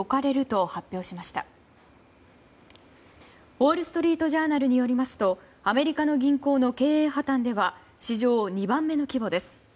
ウォール・ストリート・ジャーナルによりますとアメリカの銀行の経営破綻では史上２番目の規模です。